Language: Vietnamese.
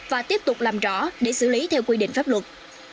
và tiếp tục làm rõ để xử lý theo quy định pháp luật